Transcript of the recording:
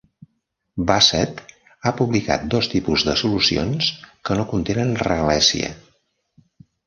Bassett ha publicat dos tipus de solucions que no contenen regalèssia.